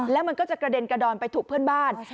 แล้วมันก็จะกระเด็นกระดอนไปถูกเพื่อนบ้าน